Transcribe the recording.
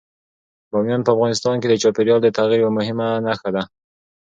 بامیان په افغانستان کې د چاپېریال د تغیر یوه مهمه نښه ده.